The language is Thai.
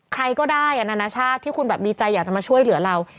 ใครก็ได้นานาชาติที่คุณแบบมีใจอยากจะมาช่วยเหลือเรา